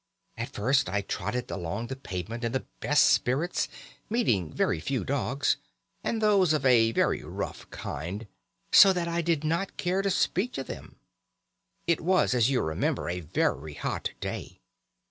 "At first I trotted along the pavement in the best spirits, meeting very few dogs, and those of a very rough kind, so that I did not care to speak to them. It was, as you remember, a very hot day.